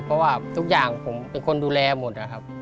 เพราะว่าทุกอย่างผมเป็นคนดูแลหมดนะครับ